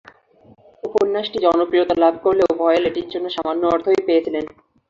উপন্যাসটি জনপ্রিয়তা লাভ করলেও ডয়েল এটির জন্য সামান্য অর্থই পেয়েছিলেন।